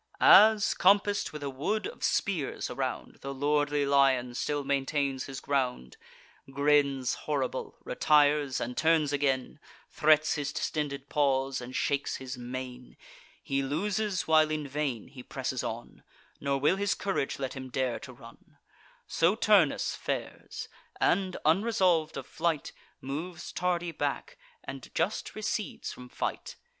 As, compass'd with a wood of spears around, The lordly lion still maintains his ground; Grins horrible, retires, and turns again; Threats his distended paws, and shakes his mane; He loses while in vain he presses on, Nor will his courage let him dare to run: So Turnus fares, and, unresolved of flight, Moves tardy back, and just recedes from fight.